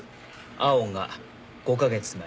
青が５カ月前。